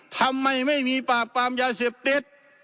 ทำไมไม่มีปราบปรามยาเสพติด